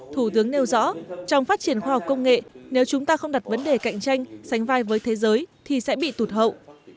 thủ tướng nêu rõ trong phát triển khoa học công nghệ nếu chúng ta không đặt vấn đề cạnh tranh sánh vai với thế giới thì sẽ bị tụt hậu